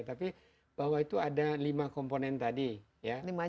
tapi bahwa itu ada lima komponen tadi ya